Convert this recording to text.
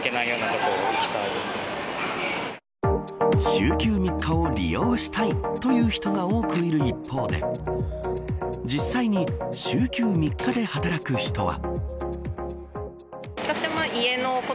週休３日を利用したいという人が多くいる一方で実際に週休３日で働く人は。